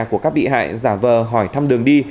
của các bị hại giả vờ hỏi thăm đường đi